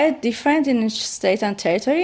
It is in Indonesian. itu berbeda di negara dan negara